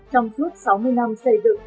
trong suốt sáu mươi năm xây dựng